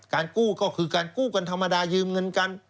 กู้ก็คือการกู้กันธรรมดายืมเงินกัน